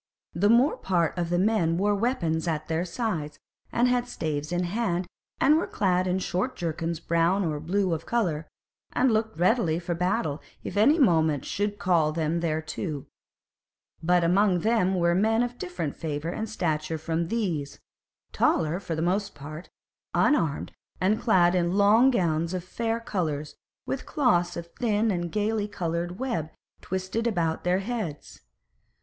The more part of the men wore weapons at their sides and had staves in hand, and were clad in short jerkins brown or blue of colour, and looked ready for battle if any moment should call them thereto; but among them were men of different favour and stature from these, taller for the most part, unarmed, and clad in long gowns of fair colours with cloths of thin and gay coloured web twisted about their heads.